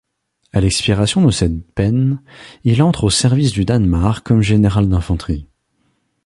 À l'expiration de cette peine, il entre au service du Danemark comme général d'infanterie.